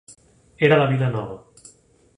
Era la vila nova.